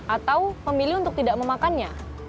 atau memilih untuk tidak memakannya